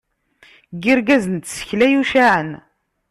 N yirgazen n tsekla yucaɛen.